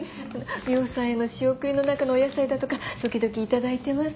ミホさんへの仕送りの中のお野菜だとか時々頂いてます。